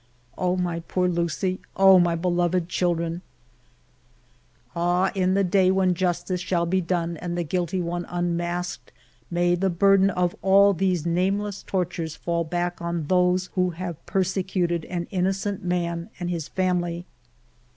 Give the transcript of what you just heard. Oh, my poor Lucie, oh, my beloved children ! Ah, in the day when justice shall be done and the guilty one unmasked, may the burden of all 110 FIVE YEARS OF MY LIFE these nameless tortures fall back on those who have persecuted an innocent man and his family